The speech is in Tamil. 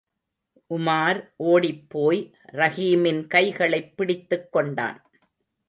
உமார், ஒடிப் போய் ரஹீமின் கைகளைப் பிடித்துக் கொண்டான்.